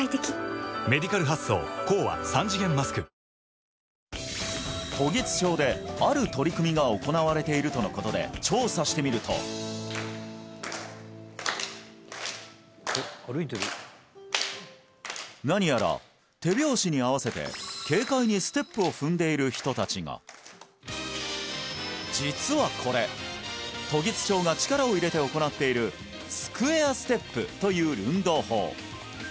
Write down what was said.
この時津町である取り組みが行われているとのことで調査してみると何やら手拍子に合わせて軽快にステップを踏んでいる人達が実はこれ時津町が力を入れて行っているスクエアステップという運動法